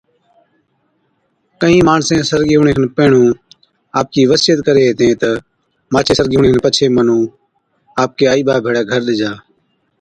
ڪھِين ماڻسين سرگِي ھُوَڻي کن پيھڻُون آپڪِي وصِيعت ڪرين ھتين تہ مانڇي سرگِي ھُوَڻِ کن پڇي مُنُون آپڪي آئِي ٻا ڀيڙي گھر ڏِجا